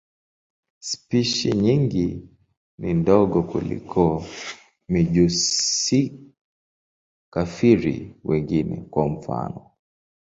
Spishi nyingi ni ndogo kuliko mijusi-kafiri wengine, kwa mfano.